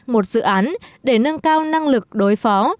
một dự án để nâng cao năng lực đối phó